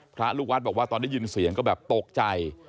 พระลูกวัดบอกว่าตอนได้ยินเสียงก็แบบตกใจ